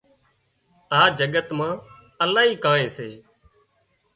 آ جگت مان الاهي ڪانئين سي